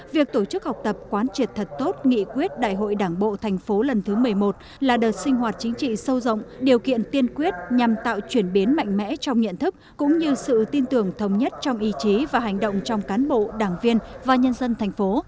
việc tổ chức học tập quán triệt thật tốt nghị quyết đại hội đảng bộ thành phố lần thứ một mươi một là đợt sinh hoạt chính trị sâu rộng điều kiện tiên quyết nhằm tạo chuyển biến mạnh mẽ trong nhận thức cũng như sự tin tưởng thống nhất trong ý chí và hành động trong cán bộ đảng viên và nhân dân thành phố